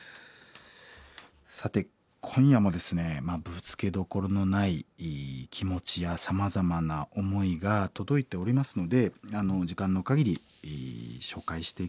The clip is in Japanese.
さて今夜もですねまあぶつけどころのない気持ちやさまざまな思いが届いておりますので時間の限り紹介していきたいと思います。